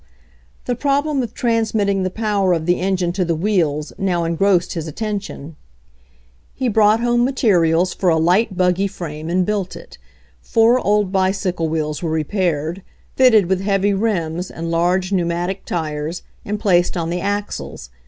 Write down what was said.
The problem of transmitting the power of the engine to the wheels now engrossed his attention. 82 HENRY FORD'S OWN STORY He brought home materials for a light buggy frame and built it. Four old bicycle wheels were repaired, fitted with heavy rims and large pnetn matic tires, and placed on the axles.